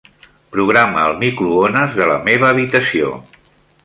Programa el microones de la meva habitació.